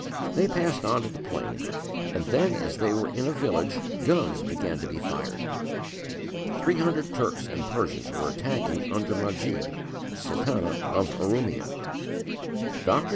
They passed on to the plain, and then as they were in a village guns began to be fired. Three hundred Turks and Persians were attacking under Majdi Sultana of Urumia. Dr.